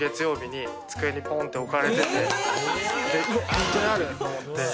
ホントにある！って思って。